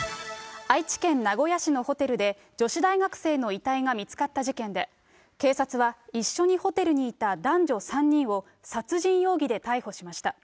愛知県名古屋市のホテルで、女子大学生の遺体が見つかった事件で、警察は一緒にホテルにいた男女３人を、殺人容疑で逮捕しました。